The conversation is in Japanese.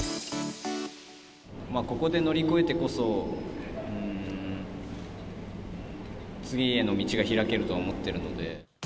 ここで乗り越えてこそ、次への道が開けると思っているので。